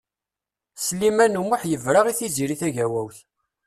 Sliman U Muḥ yebra i Tiziri Tagawawt.